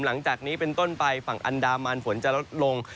หลังจากนี้เป็นต้นไปฝั่งอันดามันฝนจะลดลง